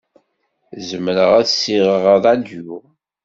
Zemreɣ ad ssiɣeɣ ṛṛadyu?